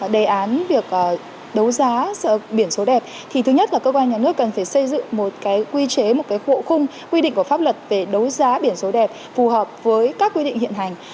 đề án việc đấu giá biển số đẹp thì thứ nhất là cơ quan nhà nước cần phải xây dựng một quy chế một bộ khung quy định của pháp luật về đấu giá biển số đẹp phù hợp với các quy định hiện hành